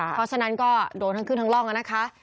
เพราะฉะนั้นก็โดนทั้งขึ้นทั้งร่องนะคะ